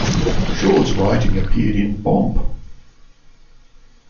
Shaw's writing appeared in Bomp!